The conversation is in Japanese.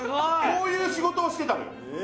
こういう仕事をしてたのよ